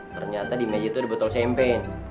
ternyata di meja tuh ada botol champagne